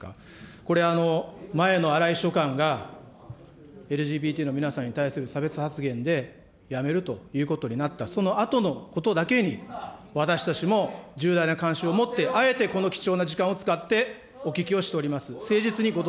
これ、前のあらい秘書官が、ＬＧＢＴの皆さんに対する差別発言で辞めるということになった、そのあとのことだけに、私たちも重大な関心を持って、あえてこの貴重な時間を使ってお聞きをしております。